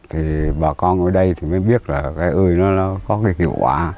thì bà con ở đây thì mới biết là cái ươi nó có cái hiệu quả